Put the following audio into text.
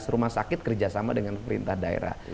rumah sakit kerjasama dengan pemerintah daerah